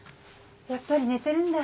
やっぱり寝てるんだ。